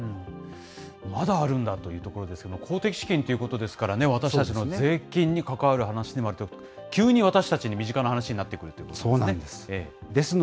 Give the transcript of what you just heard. まだあるんだというところですけれども、公的資金ということですからね、私たちの税金に関わる話にもなると、急に私たちに身近な話になってくるということなんですね。